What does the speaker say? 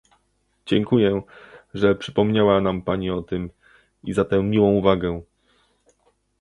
Dziękuję, że przypomniała nam Pani o tym - i za tę miłą uwagę